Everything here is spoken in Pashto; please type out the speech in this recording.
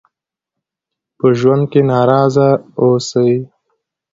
په ژوند کې ناراضه اوسئ.